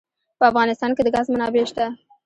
په افغانستان کې د ګاز منابع شته.